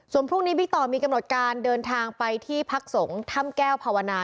ส่วนพรุ่งนี้บิ๊กต่อมีกำหนดการเดินทางไปที่พักสงฆ์ถ้ำแก้วภาวนา